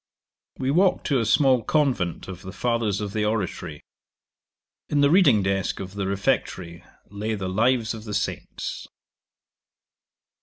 'We walked to a small convent of the Fathers of the Oratory. In the reading desk of the refectory lay the lives of the Saints.